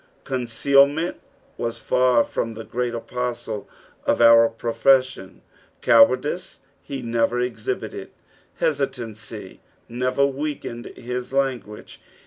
Concealment was far from the Great A|K>stle of our profession. Cowardice he never exhibited, hesitaary never weakened his language.